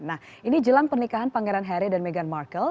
nah ini jelang pernikahan pangeran harry dan meghan markle